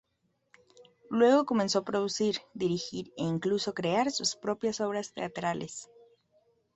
Luego comenzó a producir, dirigir, e incluso crear sus propias obras teatrales.